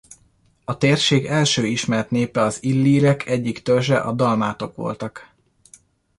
A térség első ismert népe az illírek egyik törzse a dalmátok voltak.